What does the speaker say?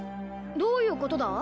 どういうことだ？